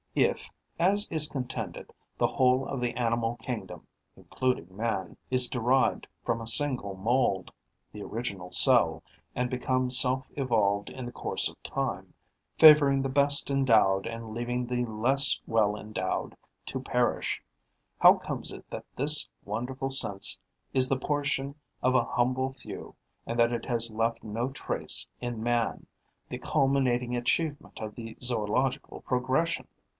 If, as is contended, the whole of the animal kingdom, including man, is derived from a single mould, the original cell, and becomes self evolved in the course of time, favouring the best endowed and leaving the less well endowed to perish, how comes it that this wonderful sense is the portion of a humble few and that it has left no trace in man, the culminating achievement of the zoological progression?